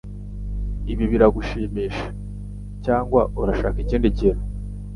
Ibi biragushimisha, cyangwa urashaka ikindi kintu?